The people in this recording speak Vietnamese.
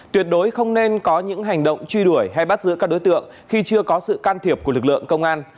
tuyệt đối không nên có những hành động truy đuổi hay bắt giữ các đối tượng khi chưa có sự can thiệp của lực lượng công an